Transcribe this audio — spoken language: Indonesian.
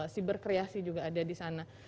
cyberkreasi juga ada di sana